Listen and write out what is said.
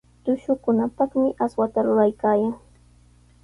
Tushuqkunapaqmi aswata ruraykaayan.